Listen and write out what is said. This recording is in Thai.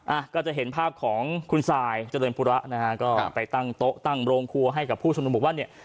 อ่ะก็จะเห็นภาพของคุณสายเจริญปุระนะฮะก็ไปตั้งโต๊ะตั้งโรงครัวให้กับผู้ชมนุมบอกว่าเนี่ย